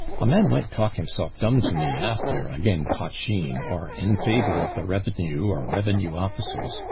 a man might talk himself dumb to me after again' potsheen, or in favour of the revenue, or revenue officers.